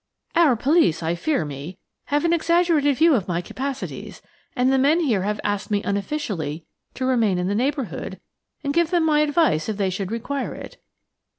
"Our police, I fear me, have an exaggerated view of my capacities, and the men here asked me unofficially to remain in the neighbourhood and to give them my advice if they should require it.